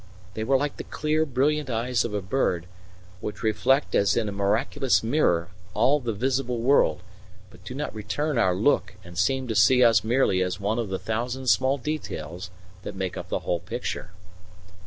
They were like the clear, brilliant eyes of a bird, which reflect as in a miraculous mirror all the visible world but do not return our look and seem to see us merely as one of the thousand small details that make up the whole picture.